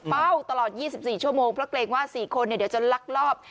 เฝ้าตลอด๒๔ชั่วโมงเพราะเกรงว่า๔คนเดี๋ยวจะลักลอบ